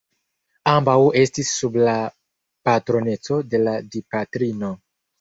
Ambaŭ estis sub la patroneco de la Dipatrino.